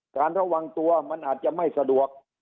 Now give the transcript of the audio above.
ระวังตัวมันอาจจะไม่สะดวก